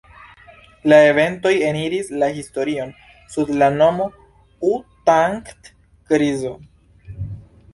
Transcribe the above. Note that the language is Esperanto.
La eventoj eniris la historion sub la nomo „U-Thant-krizo“.